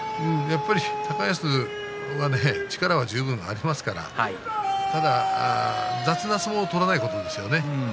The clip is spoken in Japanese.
高安は力は十分ありますからただ雑な相撲を取らないことですよね